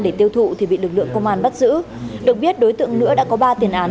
để tiêu thụ thì bị lực lượng công an bắt giữ được biết đối tượng nữa đã có ba tiền án